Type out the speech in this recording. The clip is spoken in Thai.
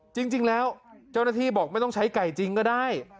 จริงแล้วเจ้าหน้าที่บอกไม่ต้องใช้ไก่จริงก็ได้